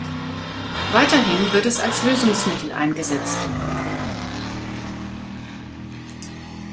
Weiterhin wird es als Lösungsmittel eingesetzt.